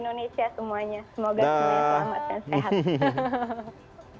terima kasih riri